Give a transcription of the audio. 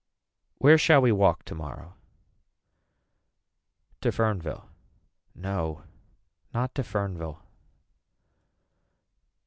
Where shall we walk tomorrow. To Fernville. No not to Fernville.